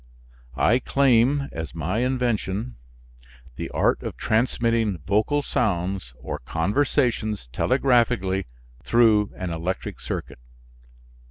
I claim as my invention the art of transmitting vocal sounds or conversations telegraphically through an electric circuit.